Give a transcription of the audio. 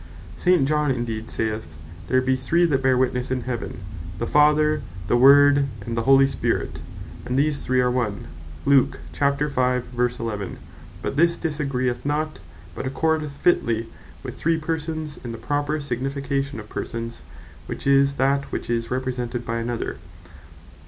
St. John indeed (1 Epist. 5.7.) saith, "There be three that bear witnesse in heaven, the Father, the Word, and the Holy Spirit; and these Three are One:" But this disagreeth not, but accordeth fitly with three Persons in the proper signification of Persons; which is, that which is Represented by another.